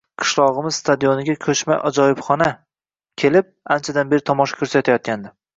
Qishlog‘imiz stadioniga ko‘chma ajoyibxona kelib, anchadan beri tomosha ko‘rsatayotgandi